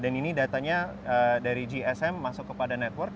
dan ini datanya dari gsm masuk kepada network